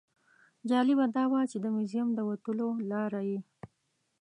جالبه دا وه چې د موزیم د وتلو لاره یې.